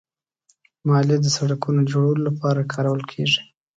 مالیه د سړکونو جوړولو لپاره کارول کېږي.